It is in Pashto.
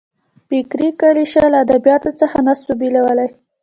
فکري کلیشه له ادبیاتو څخه نه سو بېلولای.